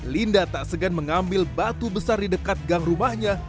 linda tak segan mengambil batu besar di dekat gang rumahnya